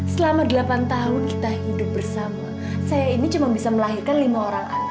selama delapan tahun kita hidup bersama saya ini cuma bisa melahirkan lima orang